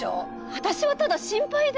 私はただ心配で。